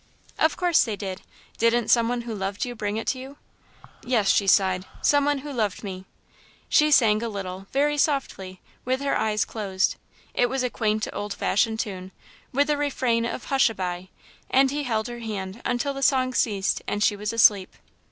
"Of course they did. Didn't some one who loved you bring it to you?" "Yes," she sighed, "some one who loved me." She sang a little, very softly, with her eyes closed. It was a quaint old fashioned tune, with a refrain of "Hush a by" and he held her hand until the song ceased and she was asleep.